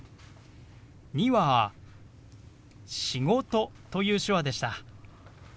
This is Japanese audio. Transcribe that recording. ２は「仕事」という手話でした。